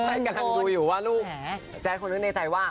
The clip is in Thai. กำลังดูอยู่ว่าลูกแจ๊ดคนรู้ในใจว่า